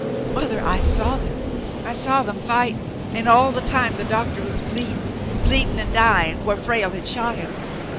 IMother, I saw them ! I saw them fighting — and all the time the doctor was bleeding — bleeding and dying, where Frale had shot him.